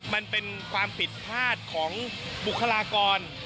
มันเป็นความผิดพลาดของบุคลากร